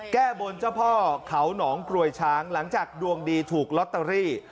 แก้บนเจ้าพ่อเขาหนองกรวยช้างหลังจากดวงดีถูกลอตเตอรี่